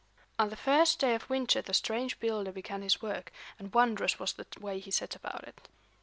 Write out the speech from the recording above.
On the first day of winter the strange builder began his work, and wondrous was the way he set about it.